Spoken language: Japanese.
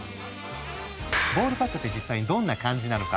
ボールパークって実際にどんな感じなのか？